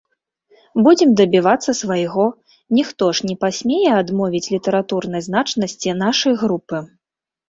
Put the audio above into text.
Будзем дабівацца свайго, ніхто ж не пасмее адмовіць літаратурнай значнасці нашай групы.